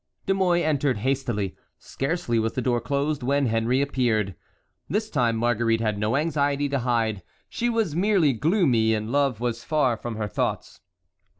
De Mouy entered hastily. Scarcely was the door closed when Henry appeared. This time Marguerite had no anxiety to hide—she was merely gloomy, and love was far from her thoughts.